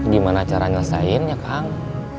gimana cara nyelesainya kang